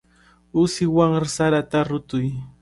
Uusiwan sarata rutuy.